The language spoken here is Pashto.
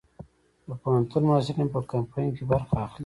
د پوهنتون محصلین په کمپاین کې برخه اخلي؟